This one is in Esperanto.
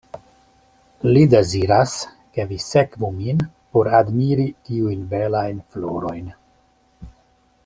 Li deziras, ke vi sekvu min por admiri tiujn belajn florojn.